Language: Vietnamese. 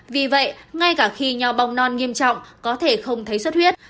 vì vậy ngay cả khi nho bong non nghiêm trọng có thể không thấy xuất huyết